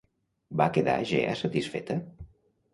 Va quedar Gea satisfeta?